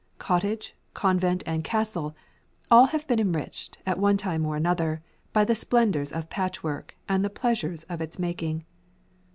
Cottage, convent, and castle; all have been enriched, at one time or another, by the splendours of patchwork and the pleasures of its making.